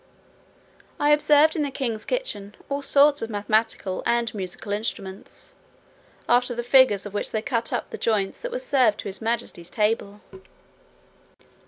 I observed in the king's kitchen all sorts of mathematical and musical instruments, after the figures of which they cut up the joints that were served to his majesty's table.